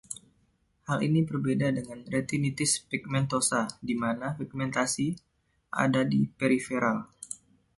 Hal ini berbeda dengan retinitis pigmentosa di mana pigmentasi ada di periferal.